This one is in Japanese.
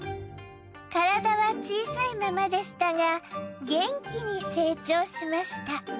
体は小さいままでしたが元気に成長しました。